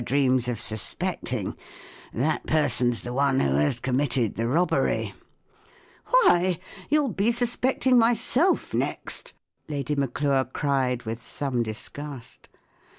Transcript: kSCMIEK + dreams of suspecting, that person's the one who has committed the robbery," " Why, you'll be suspecting myself next! " Lady Maclure cried, with some disgust.